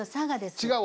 違う。